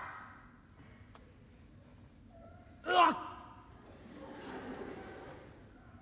「うわっ！」。